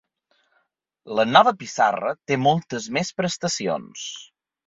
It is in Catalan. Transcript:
La nova pissarra té moltes més prestacions